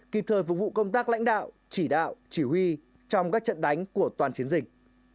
kịp thời phục vụ công tác lãnh đạo chỉ đạo chỉ huy trong các trận đánh của toàn chiến dịch